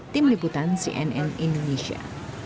tim liputan cnn indonesia